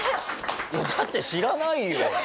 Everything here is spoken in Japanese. いやだって知らないよ。